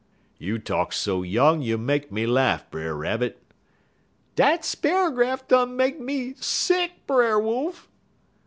"'You talk so young you make me laff, Brer Rabbit.' "'Dat sparrer grass done make me sick, Brer Wolf.'